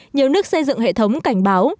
nhiều nước xây dựng hệ thống cảnh báo